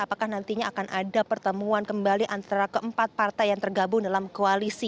apakah nantinya akan ada pertemuan kembali antara keempat partai yang tergabung dalam koalisi